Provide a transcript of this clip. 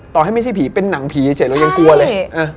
ต่อให้ไม่ใช่ผีเป็นหนังผีเฉยเรายังกลัวเลย